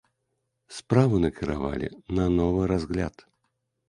Справу накіравалі на новы разгляд.